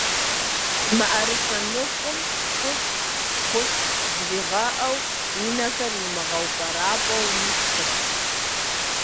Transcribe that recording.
МыӀэрысэ мыхъум «хъущт, хъущт» жригъэӏэу, и нэхэр имыгъэупӏэрапӏэу ишхырт.